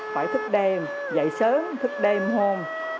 phải thức đêm dậy sớm thức đêm hôm